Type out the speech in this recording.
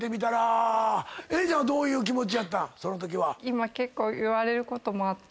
今結構言われることもあって。